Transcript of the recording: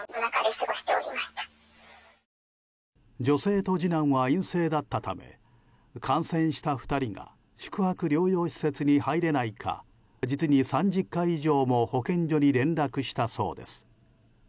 女性と次男は陰性だったため感染した２人が宿泊療養施設に入れないか実に３０回以上も保健所に連絡したそうです。